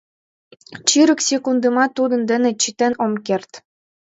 Чырык секундымат тудын дене чытен ом керт.